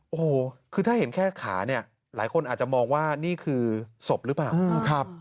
โอ้โหคือถ้าเห็นแค่ขาเนี่ยหลายคนอาจจะมองว่านี่คือศพหรือเปล่า